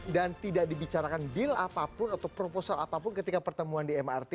dan tidak dibicarakan deal apapun atau proposal apapun ketika pertemuan di mrt